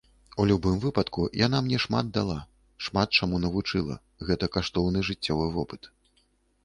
У любым выпадку, яна мне шмат дала, шмат чаму навучыла, гэта каштоўны жыццёвы вопыт.